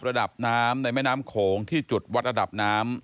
ระดับน้ำในแม่น้ำโขงที่จุดวัดระดับน้ำ